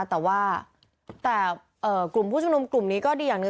แต่ว่าแต่กลุ่มผู้ชุมนุมกลุ่มนี้ก็ดีอย่างหนึ่ง